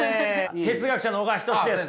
哲学者の小川仁志です。